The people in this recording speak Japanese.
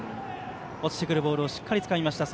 落ちてくるボールをしっかりつかみました。